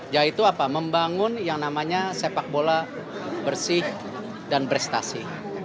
yaitu apa membangun yang namanya sepak bola bersih dan prestasi